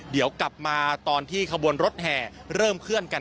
เดี๋ยวกลับมาตอนที่ขบวนรถแห่เริ่มเคลื่อนกัน